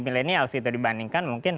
milenial sih itu dibandingkan mungkin